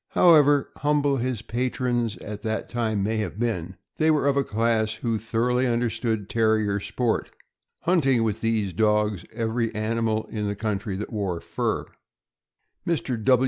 However humble his patrons at that time may have been, they were of a class who, thor oughly understood Terrier sport — hunting with these dogs every animal in the country that wore fur. Mr.